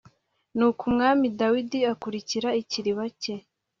nuko umwami dawidi akurikira ikiriba cye